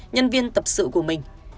nhân viên tập sự của mình